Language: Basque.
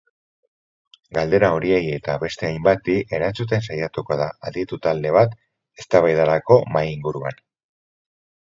Galdera horiei eta beste hainbati erantzuten saiatuko da aditu talde bat eztabaidarako mahai-inguruan.